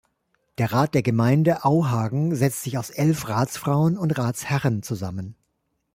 Der Rat der Gemeinde Auhagen setzt sich aus elf Ratsfrauen und Ratsherren zusammen.